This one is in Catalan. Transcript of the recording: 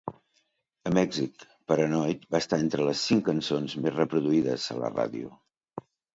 A Mèxic, "...Paranoid" va estar entre les cinc cançons més reproduïdes a la ràdio.